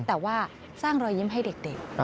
แต่ว่าสร้างรอยยิ้มให้เด็ก